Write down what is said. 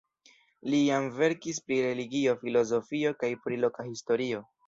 Li jam verkis pri religio, filozofio kaj pri loka historio.